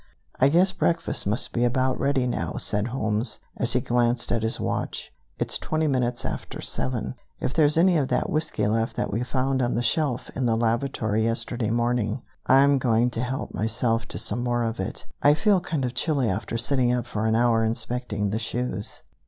"I guess breakfast must be about ready now," said Holmes, as he glanced at his watch; "it's twenty minutes after seven. If there's any of that whiskey left that we found on the shelf in the lavatory yesterday morning, I'm going to help myself to some more of it. I feel kind of chilly after sitting up for an hour inspecting the shoes."